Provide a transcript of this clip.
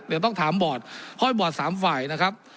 เดี๋ยวต้องถามบอร์ดห้อยบอร์ด๓ฝ่ายนะครับ